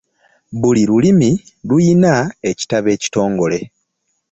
Buli lulimi lulina ekitabo ekitongole